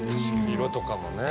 色とかもね。